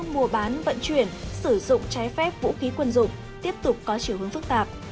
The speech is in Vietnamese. mua bán vận chuyển sử dụng trái phép vũ khí quân dụng tiếp tục có chiều hướng phức tạp